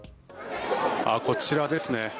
こちらですね。